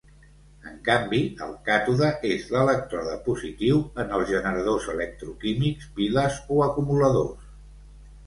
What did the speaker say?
En canvi, el càtode és l'elèctrode positiu en els generadors electroquímics, piles o acumuladors.